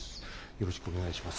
よろしくお願いします。